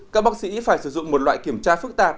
các bác sĩ phải sử dụng một loại kiểm tra phức tạp